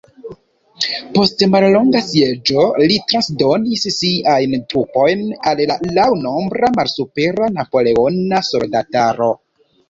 Post mallonga sieĝo, li transdonis siajn trupojn al la laŭ nombro malsupera napoleona soldataro.